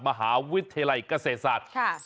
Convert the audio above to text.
มหาวิทยาลัยเกษตรศาสตร์